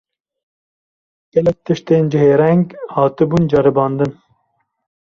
Gelek tiştên cihêreng hatibûn ceribandin